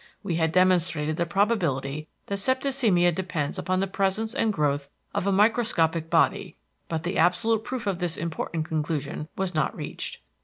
We had demonstrated the probability that septicemia depends upon the presence and growth of a microscopic body, but the absolute proof of this important conclusion was not reached.